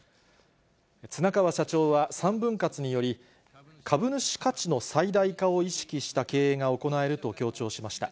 綱川社長は、３分割により、株主価値の最大化を意識した経営が行えると強調しました。